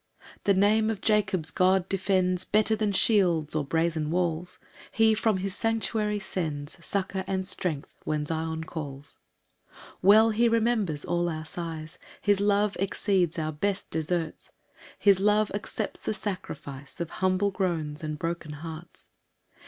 2 The name of Jacob's God defends Better than shields or brazen walls; He from his sanctuary sends Succour and strength, when Zion calls. 3 Well he remembers all our sighs, His love exceeds our best deserts, His love accepts the sacrifice Of humble groans and broken hearts.